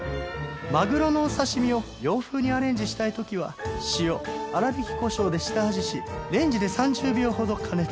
マグロのお刺し身を洋風にアレンジしたい時は塩粗びきコショウで下味しレンジで３０秒ほど加熱。